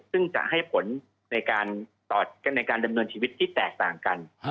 ซึ่งจะให้ผลในการดำเนินชีวิตที่แตกต่างกัน